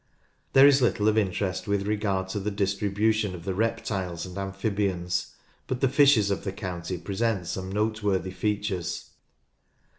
There is little of interest with regard to the distribu tion of the reptiles and amphibians, but the fishes of the county present some noteworthy features.